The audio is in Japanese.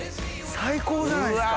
最高じゃないですか。